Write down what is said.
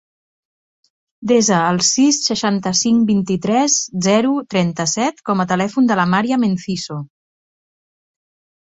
Desa el sis, seixanta-cinc, vint-i-tres, zero, trenta-set com a telèfon de la Màriam Enciso.